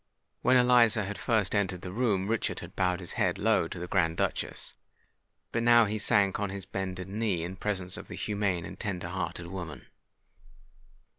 When Eliza had first entered the room, Richard had bowed his head low to the Grand Duchess; but now he sank on his bended knee in presence of the humane and tender hearted woman.